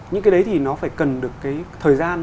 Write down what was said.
những cái đấy thì nó phải cần được cái thời gian